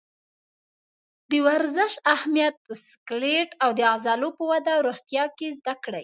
د ورزش اهمیت په سکلیټ او عضلو په وده او روغتیا کې زده کړئ.